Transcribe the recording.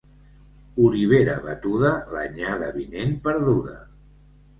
Olivera batuda, l'anyada vinent perduda.